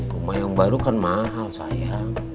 rumah yang baru kan mahal saya